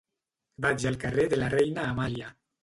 Vaig al carrer de la Reina Amàlia.